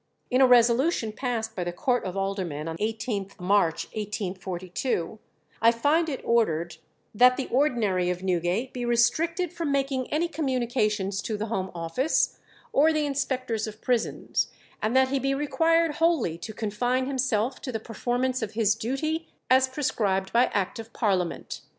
In a resolution passed by the Court of Aldermen on 18th March, 1842, I find it ordered "that the ordinary of Newgate be restricted from making any communications to the Home Office or the Inspectors of Prisons, and that he be required wholly to confine himself to the performance of his duty as prescribed by Act of Parliament."